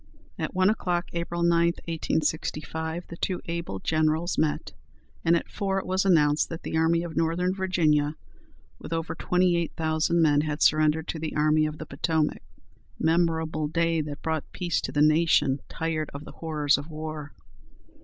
At one o'clock, April 9, 1865, the two able generals met, and at four it was announced that the Army of Northern Virginia, with over twenty eight thousand men, had surrendered to the Army of the Potomac. Memorable day! that brought peace to a nation tired of the horrors of war.